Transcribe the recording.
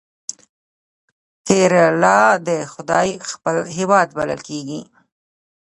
کیرالا د خدای خپل هیواد بلل کیږي.